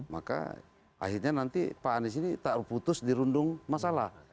maka akhirnya nanti pak anies ini tak putus dirundung masalah